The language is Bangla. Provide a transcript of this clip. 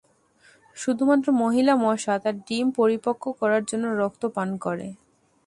শুধুমাত্র মহিলা মশা তার ডিম পরিপক্ব করার জন্য রক্ত পান করে।